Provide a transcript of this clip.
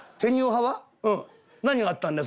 何があったんです？